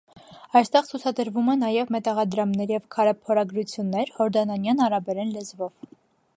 Այստեղ ցուցադրվում է նաև մետաղադրամներ և քարե փորագրություններ՝ հորդանանյան արաբերեն լեզվով։